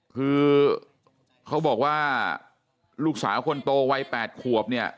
คือเขาบอกว่าลูกสาวคนโตวัย๘ขวบเนี่ย